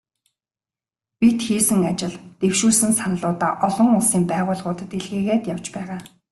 Бид хийсэн ажил, дэвшүүлсэн саналуудаа олон улсын байгууллагуудад илгээгээд явж байгаа.